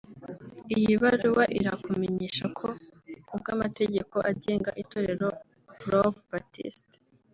iyi baruwa irakumenyesha ko ku bw’amategeko agenga Itorero Grove Baptist